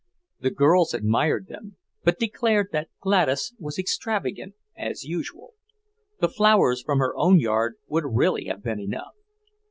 The girls admired them, but declared that Gladys was extravagant, as usual; the flowers from her own yard would really have been enough.